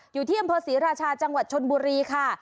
อยู่ที่อำเภอศรีราชาจังหวัดชนบุรีค่ะ